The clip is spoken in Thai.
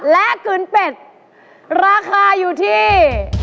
และกลืนเป็ดราคาอยู่ที่